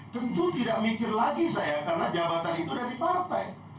tentu tidak mikir lagi saya karena jabatan itu dari partai